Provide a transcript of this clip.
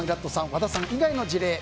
和田さん以外の事例。